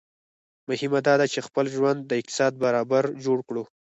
مهمه داده چي خپل ژوند د اقتصاد برابر جوړ کړو